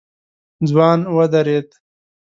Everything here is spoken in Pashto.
ځوان ودرېد.